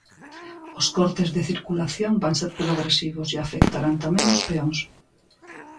Os cortes de circulación van ser progresivos e afectarán tamén os peóns.